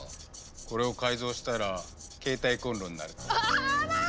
これを改造したら携帯コンロになるかも。